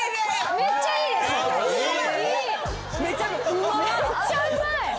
めっちゃうまい。